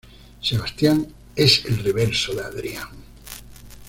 Sebastián es el reverso de Adrián.